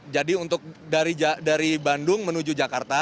jadi untuk dari bandung menuju jakarta